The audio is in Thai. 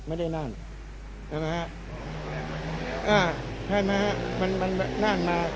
ไม่ได้นั่นใช่ไหมฮะอ่าใช่ไหมฮะมันมันนั่นมา